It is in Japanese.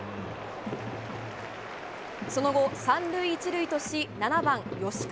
その後３塁１塁とし７番、吉川。